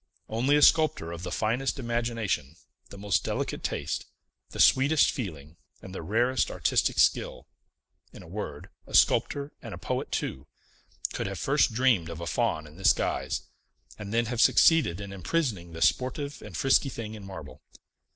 Only a sculptor of the finest imagination, the most delicate taste, the sweetest feeling, and the rarest artistic skill in a word, a sculptor and a poet too could have first dreamed of a Faun in this guise, and then have succeeded in imprisoning the sportive and frisky thing in marble.